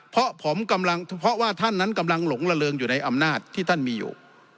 เพราะว่าท่านนั้นกำลังหลงระเริงอยู่ในอำนาจที่ท่านมีอยู่